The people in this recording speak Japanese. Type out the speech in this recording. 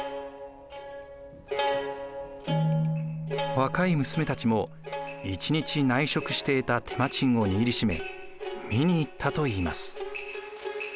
若い娘たちも一日内職して得た手間賃を握りしめ見に行ったといいます。